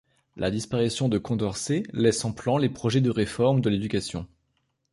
La disparition de Condorcet laisse en plan les projets de réforme de l'éducation.